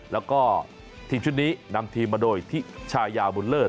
แล้วก็ทีมชุดนี้นำทีมมาโดยทิชายาบุญเลิศ